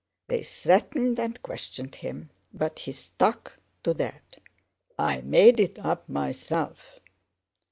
They threatened and questioned him, but he stuck to that: 'I made it up myself.